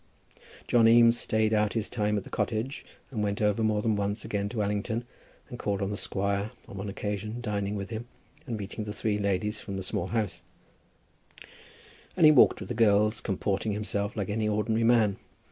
John Eames stayed out his time at the cottage, and went over more than once again to Allington, and called on the squire, on one occasion dining with him and meeting the three ladies from the Small House; and he walked with the girls, comporting himself like any ordinary man.